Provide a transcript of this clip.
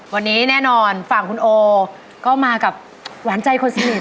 วันนี้แน่นอนฝั่งคุณโอก็มากับหวานใจคนสนิท